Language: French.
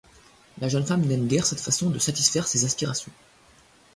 La jeune femme n'aime guère cette façon de satisfaire ses aspirations.